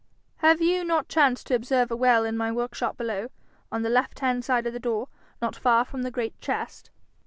'Have you not chanced to observe a well in my workshop below, on the left hand side of the door, not far from the great chest?'